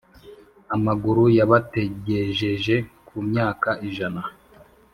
Amaguru y Abatagejeje ku myaka ijana